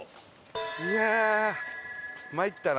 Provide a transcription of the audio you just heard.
いやあ参ったな。